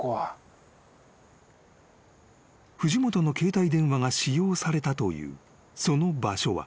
［藤本の携帯電話が使用されたというその場所は］